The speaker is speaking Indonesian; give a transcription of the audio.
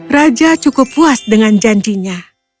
raja cukup puas dengan janjinya